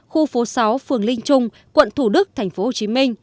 khu phố sáu phường linh trung quận thủ đức tp hcm